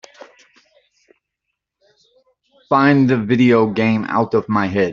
Find the video game Out of My Head